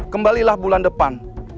kembalilah bulan depan